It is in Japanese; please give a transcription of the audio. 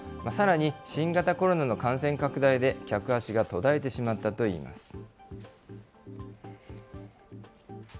さらに新型コロナの感染拡大で、客足が途絶えてしまったといいます。